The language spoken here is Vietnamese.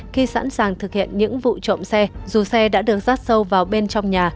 khi sẵn sàng thực hiện những vụ trộm xe dù xe đã được rát sâu vào bên trong nhà